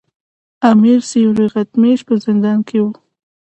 امیر سیورغتمیش په زندان کې وو.